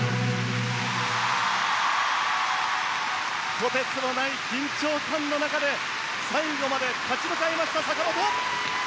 とてつもない緊張感の中で最後まで立ち向かいました坂本！